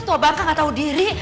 dasar tua bangka gak tau diri